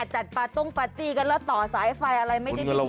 อาจจะต้องปาร์ตี้กันแล้วต่อสายไฟอะไรไม่ได้ดีเลยครับ